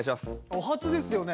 お初ですよね。